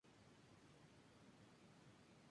A lo mejor se puede favorecer que así sea.